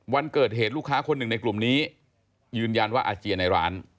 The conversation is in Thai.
วันเกิดเหตุลูกค้าคนหนึ่งในกลุ่มนี้ยืนยันว่าอาเจียนในร้าน